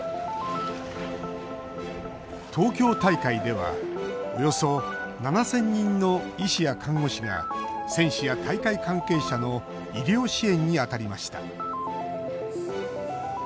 東京大会ではおよそ７０００人の医師や看護師が選手や大会関係者の医療支援に当たりました。